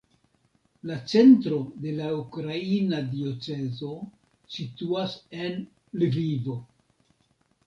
La centro de la ukraina diocezo situas en Lvivo.